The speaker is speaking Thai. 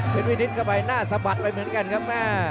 เป็นวินิตเข้าไปหน้าสะบัดไปเหมือนกันครับ